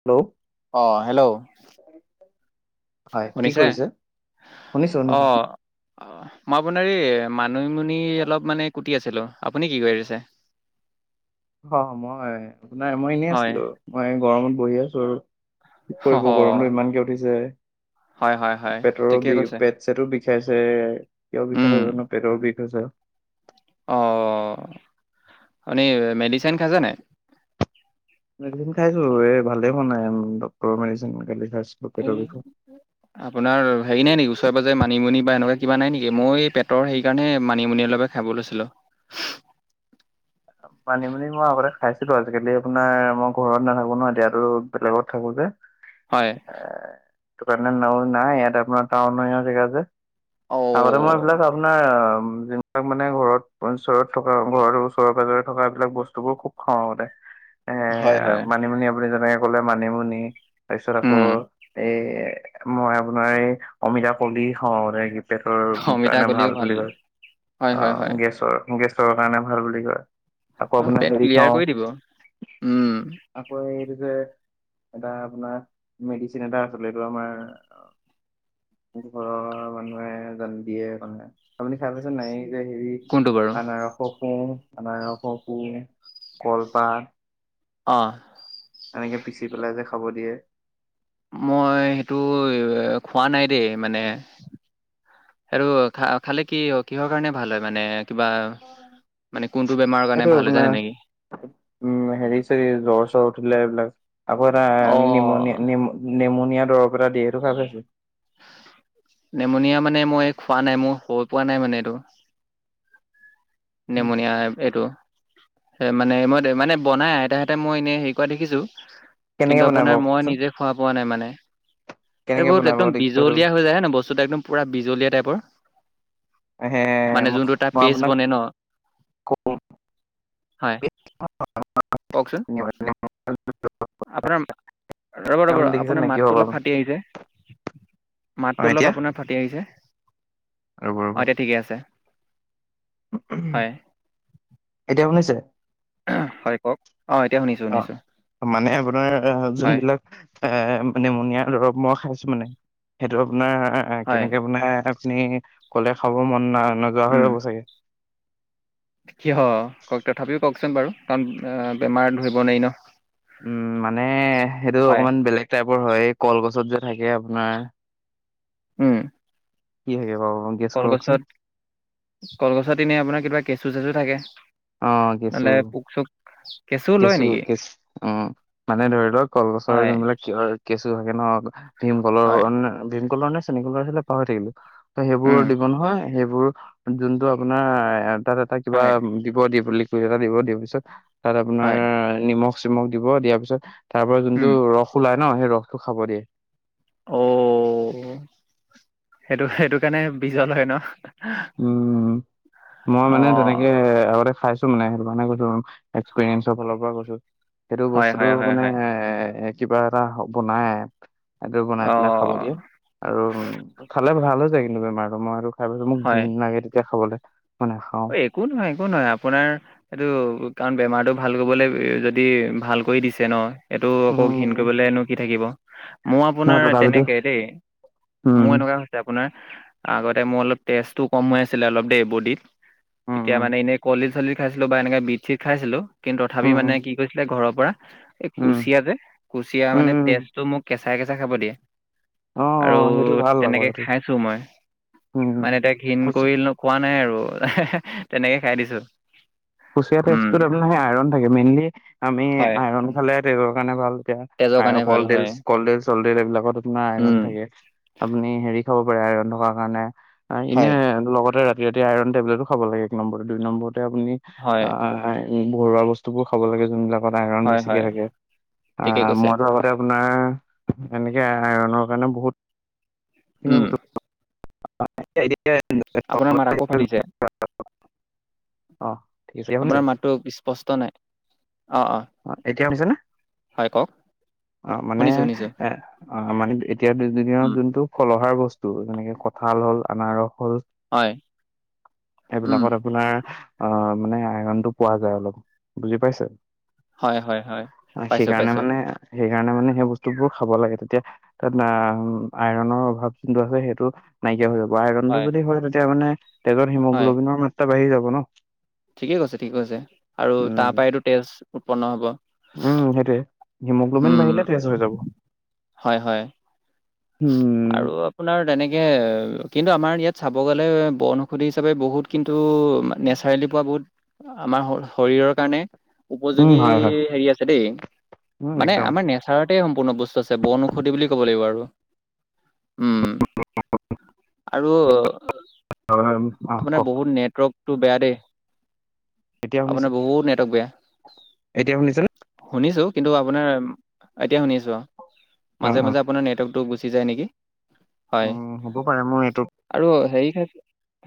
Hello অ', hello. হয় কি শুনিছা নাই, কৰিছে? অ'। অ', মই আপোনাৰ এই মানিমুনি অলপ মানে কুটি আছিলোঁ, আপুনি কি কৰি আছে? অ', মই আপোনাৰ মই এনেই হয় আছিলোঁ, মই গৰমত বহি আছোঁ আৰু। কি কৰিব অ গৰমটো ইমানকে উঠিছে, হয় হয় হয় পেটৰো ঠিকে বিষ, কৈছে পেট চেটো বিষাইছে, কিয় উম বিষাইছে জানো, পেটৰ বিষ হৈছে। অ', আপুনি মেডিচাইন খাইছে নাই? মেডিচিন খাইছোঁ, এ ভালে হোৱা নাই, ডক্তৰৰ মেডিচিন কালি খাইছোঁ। এই আপোনাৰ হেৰি নাই নেকি, ওচৰে পাজৰে মানিমুনি বা এনেকুৱা কিবা নাই নেকি, মইও এই পেটৰ হেৰি কাৰণেহে মানিমুনি অলপে খাব লৈছিলোঁ। [inaudible] মানিমুনি মই আগতে খাইছিলোঁ, আজিকালি আপোনাৰ মই ঘৰত নাথাকোঁ ন, এতিয়াতো বেলেগত থাকোঁ যে। হয়। সেইটোকাৰণে ন-নাই ইয়াত আপোনাৰ টাউনৰ হেৰীয়ৰ জেগা যে। অ আগতে মই এইবিলাক আপোনাৰ যোনবিলাক মানে ঘৰত ওচৰত থকা ঘৰৰ ও ওচৰে পাজৰে থকা এইবিলাক বস্তুবোৰ খুব খাওঁ আগতে, এ হয় হয় মানিমুনি আপুনি যেনেকে ক'লে মানিমুনি, তাৰ পিছত আকৌ উম এই মই আপোনাৰ এই অমিতা কলি খাওঁ আগতে পেটৰ অমিতা কাৰণে কলিও ভাল বুলি কয়, হয় হয় হয় অ', গেছৰ গেছৰ কাৰণে ভাল বুলি কয়। আকৌ আৰু আপোনাৰ পেট হেৰি ক্লিয়াৰ খাওঁ কৰি দিব, উম। আকৌ এইটো যে, এটা আপোনাৰ মেডিচিন এটা আছিলে, এইটো আমাৰ ঘৰৰ মানুহে আনি দিয়ে মানে, আপুনি খাই পাইছে নাই এই এই যে হেৰি কোনটো বাৰু আনাৰসৰ কোঁহ, আনাৰসৰ কোঁহ, কলপাত অ'। এনেকে পিচি পেলাই যে খাব দিয়ে। মই সেইটো খোৱা নাই দেই, মানে সেইটো খা-খালে কি-কিহৰ কাৰণে ভাল হয় মানে, কিবা মানে কোনটো বেমাৰৰ কাৰণে এইটো ভাল হয় আপোনাৰ জানে নেকি? উম, হেৰি-চেৰি জ্বৰ-চৰ উঠিলে, এইবিলাক আকৌ এটা অ', নিমনিয়া নিম নেমনিয়া দৰৱ এটা দিয়ে, এইটো খাই পাইছে? নেমনিয়া মানে মই খোৱা নাই, মোৰ হৈ পোৱা নাই মানে এইটো। নিমনিয়া [unintelligible] এইটো মানে মই মানে বনাই আইতাহতে, মই এনেই হেৰি কৰা দেখিছো, কিন্তু কেনেকে বনাই বাৰু আপোনাৰ মই কওকচোন নিজে খোৱা পোৱা নাই মানে, কেনেকে এইবোৰ বনাই একদম বাৰু দেই সেইটো বিজলীয়া হৈ যায় ন, বস্তুতটো একদম পুৰা বিজলীয়া টাইপৰ, হে মানে মই যোনটো তাত মই আপোনাক পেছবনে ন। হয়, কওঁৱেই। কওকচোন? আপোনাৰ ৰ'ব, ৰ'ব, আপুনি দেখিছে আপোনাৰ নাই কি মাতটো হ'ব অলপ ফাটি আহিছে। অ মাতটো অলপ এতিয়া আপোনাৰ ফাটি আহিছে, ৰ'ব ৰ'ব অ, এতিয়া ঠিকে আছে। হয় এতিয়া শুনিছে? হয়, কওক? অ, এতিয়া শুনিছো। অ, শুনিছো মানে আপোনাৰ হয় যোনবিলাক এ, নেমনিয় দৰৱ মই খাইছো মানে, সেইটো আপোনাৰ হয় কেনেকে বনাই মানে খিনি ক'লে খাব মন না নোযোৱা হৈ উম যাব চাগে। কিয়? তথাপিও কওকচোন বাৰু, কাৰণ বেমাৰ ধৰিব নোৱাৰি ন! উম, মানে সেইটো হয় অকমান বেলেগ টাইপৰ হয়, এই কলগছত যে থাকে আপোনাৰ উম। কি থাকে বাৰু? গেছ কৰকচোন কলগছত, কলগছত এনেই আপোনাৰ কিবা কেঁচু-চেচু থাকে। অ, কেঁচু। নহ'লে পোক চোক লয় কেঁচু, নেকি কেচ উম, মানে ধৰি লওক কলগছৰৰ হয় যোনবিলাক কেঁচু থাকে ন ভীমকলৰ, হয় ভীমকলৰ নে চেনী কলৰ আছিলে পাহৰি থাকিলো। ত, সেইবোৰ উম দিব নহয়, সেইবোৰ যোনটো আপোনাৰ তাত এটা কিবা হয় দিব দি বুলি এটা দিব, দিয়াৰ পিছত তাত হয় আপোনাৰ নিমখ- চিমখ দিব, দিয়াৰ পিছত তাৰ পৰা উম যোনটো ৰস ওলাই ন, সেই ৰসটো খাব দিয়ে। অ, সেইটো, সেইটো কাৰণে বিজল হয় ন! উম, উম, মই অ মানে তেনেকে আগতে খাইছো মানে, সেইটো কাৰণে এচপিৰিয়াঞ্চ ফালৰ পৰা কৈছো, সেইটো হয় বস্তুতটো হয় হয় মানে হয় এ, কিবা এটা বনাই। সেইটো বনাই অ পেলাই খাব দিয়ে আৰু খালে ভাল হৈ যায় কিন্তু বেমাৰতটো, মই সেইটো খাই পাইছো। মোক হয় লাগে তেতিয়া খাবলৈ, মই নাখাওঁ। অ একো নহয়, একো নহয়, আপোনাৰ এইটো কাৰণ বেমাৰতটো ভাল কৰিবলৈ, যদি ভাল কৰি দিছে ন। এইটো আকৌ ঘীণ উম কৰিবলগীয়া নো কি থাকিব? মই নহয় আপোনাৰ তথাপিতো তেনেকে দেই, উম মোৰ এনেকুৱা আপোনাৰ, আগতে মোৰ অলপ তেজটো কম হৈ আছিলে অলপ দেই বডীত উম তেতিয়া উম মানে এনে কলদিল- চলিছিল খাইছিলো বা এনেকে বিট-চিট খাইছিলো, কিন্তু তথাপি উম উম মানে কি কৈছিলে ঘৰৰ পৰা, এই উম কুচিয়া যে কুচিয়া, উম মানে উম তেজটো মোক কেঁচাই-কেঁচাই খাব দিয়ে। অ আৰু অ, সেইটো ভাল আকৌ তেনেকে সেইটো খাইছো মই, উম মানে এতিয়া ঘীণ উম কৰিনো খোৱা নাই আৰু তেনেকে খাই দিছো। কুচিয়া উম তেজটোত আপোনাৰ সেই আইৰণ থাকে, মেইনলি আমি হয় আইৰন খালে তেজৰ কাৰণে ভাল। এতিয়া তেজৰ আ কাৰণে ভাল কলডেল, হয়। কলডেল-চলডেল এইবিলাকত আপোনাৰ আইৰন উম, থাকে। আপুনি হেৰি খাব পাৰে, আইৰণ থকাৰ কাৰণে, এনে হয়। লগতে [unintelligible] আইৰন টেবলেটো খাব লাগে এক নম্বৰতে, দুই নম্বৰতে আপুনি উ ঘৰুৱা বস্তু বোৰ খাব লাগে যোনবিলাকত আইৰন হয়, বেছিকে হয়, থাকে ঠিকে আহ কৈছে। মইতো আপোনাৰ এনেকে আইৰনৰ কাৰণে বহুত খিনি উম বস্তু আপোনাৰ মাত আকৌ ফাটিছে। [unintelligible] আপোনাৰ মাততো স্পষ্ট নাই অ অ অ এতিয়া শুনিছে নে হয় কওক অ মানে শুনিছোঁ, শুনিছোঁ। এ অ মানে এতিয়া দুই দুদিনত উম, যোনটো ফল আহাৰ বস্তু যেনেকে কঁঠাল হল আনাৰস হল হয়। উম, এইবিলাকত আপোনাৰ অ মানে আইৰণটো পোৱা যায় অলপ বুজি পাইছে হয়, হয়, হয়। পাইছোঁ, সেইকাৰণে পাইছোঁ। মানে সেইকাৰণে মানে সেই বস্তুবোৰ খাব লাগে তেতিয়া তাত আ আইৰনৰ অভাৱ যোনটো আছে সেইটো নাইকিয়া হৈ যাব আইৰণ টো যদি হয় তেতিয়া মানে তেজত হয়। হিমোগ্লবিনৰ মাত্ৰা বাঢ়ি যাব ন ঠিকে কৈছে ঠিকে কৈছে আৰু উম তাৰ পৰাইতো তেজ উৎপন্ন হ'ব উম সেইটোৱে হিমগ্ল'বিন উম বাঢ়িলে তেজ হৈ যাব হয় হয় উম আৰু আপোনাৰ তেনেকে কিন্তু আমাৰ ইয়াত চাব গ'লে বনৌষধি হিচাপে বহুত কিন্তু হেল্ডি পোৱা বহুত আমাৰ শৰীৰৰ কাৰণে উম উপযোগী হয় হয় হেৰি আছে দেই উম মানে একদম আমাৰ নেচ নেসাৰতে সম্পূৰ্ণ বস্তু আছে বন ঔষধি বুলি ক'ব লাগিব আৰু উম আৰু হয় হয় অ আপোনাৰ কওক বহুত নেটৱৰ্ক টো বেয়া দেই এতিয়া শুনিছে আপোনাৰ বহুত নেটৱৰ্ক বেয়া এতিয়া শুনিছে শুনিছো কিন্তু আপোনাৰ এতিয়া শুনিছো অ মাজে অ মাজে আপোনাৰ নেটৱৰ্কতো গুচি যায় নেকি অ হয় হ'ব পাৰে মই আৰু হেৰি হে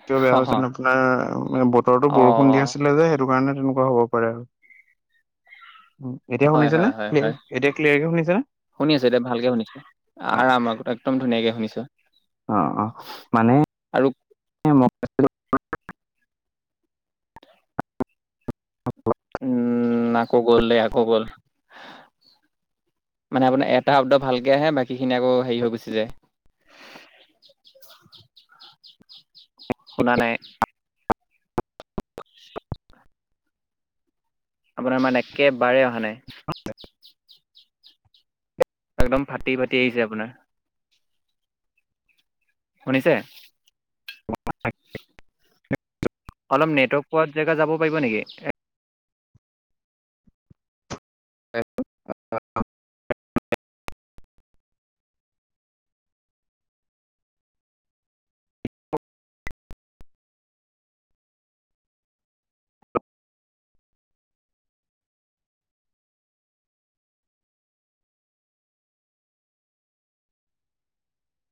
কিয় বেয়া হৈছিল আপোনাৰ বতৰতো অ অ বৰষুণ দি আছিলে যে সেইটো কাৰণে তেনেকুৱা হ'ব পাৰে এতিয়া হয় শুনিছেনে হয় হয় হয় এতিয়া ক্লিয়াৰকে শুনিছে নে শুনি আছো এতিয়া ভালকে শুনিছো অ আৰাম আক- একদম ধুনীয়াকে শুনিছোঁ অ অ মানে আৰু [unintelligible] উম আকৌ গ'ল দেই আকৌ গ'ল মানে আপোনাৰ এটা শব্দ ভালকে আহে বাকীখিনি আকৌ হেৰি হৈ গুচি যায় [unintelligible] শুনা নাই আপোনাৰ মাত একেবাৰে অহা নাই একদম ফাটি ফাটি আহিছে আপোনাৰ শুনিছে [unintelligible] অলপ নেটৱৰ্ক পোৱা জেগা যাব পাৰিব নেকি [unintelligible]